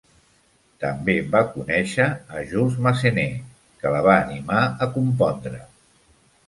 També va conèixer a Jules Massenet, que la va animar a compondre.